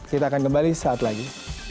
kita akan kembali saat lagi